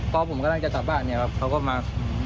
พอผมกำลังจะจัดบ้านเขาก็มา